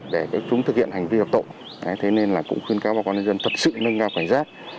để chúng thực hiện hành vi hợp tộ thế nên là cũng khuyến cáo bà con nhân dân thật sự nâng cao cảnh giác